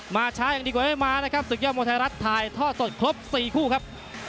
มาช้ายังดีกว่าไม่มานะครับศึกยอดมวยไทยรัฐถ่ายทอดสดครบ๔คู่ครับ